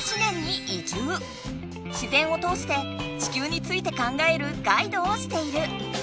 自然を通して地球について考えるガイドをしている。